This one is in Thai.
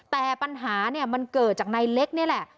แต่ปัญหามันเกิดจากในเล็กนี่แหละ